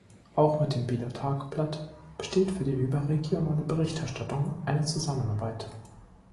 Auch mit dem "Bieler Tagblatt" besteht für die überregionale Berichterstattung eine Zusammenarbeit.